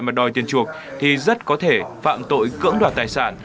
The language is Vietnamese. mà đòi tiền chuộc thì rất có thể phạm tội cưỡng đoạt tài sản